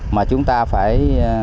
mà chúng ta phải